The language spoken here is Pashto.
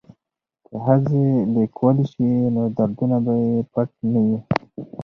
که ښځې لیکوالې شي نو دردونه به یې پټ نه وي.